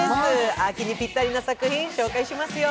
秋にぴったりの作品、紹介しますよ